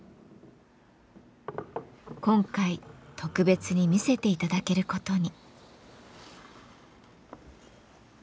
今回特別に見せていただけることに。